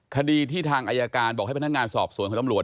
คดีที่ทางอายการบอกให้พนักงานสอบสวนของตำรวจ